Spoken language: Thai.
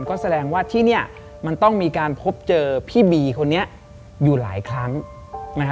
ก็แสดงว่าที่เนี่ยมันต้องมีการพบเจอพี่บีคนนี้อยู่หลายครั้งนะฮะ